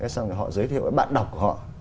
xong rồi họ giới thiệu với bạn đọc của họ